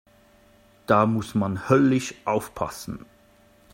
Da muss man höllisch aufpassen.